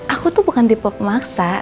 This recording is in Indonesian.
aku tuh bukan di pemaksa